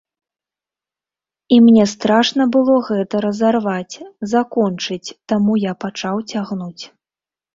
І мне страшна было гэта разарваць, закончыць, таму я пачаў цягнуць.